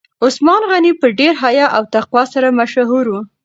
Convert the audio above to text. عثمان غني په ډیر حیا او تقوا سره مشهور و.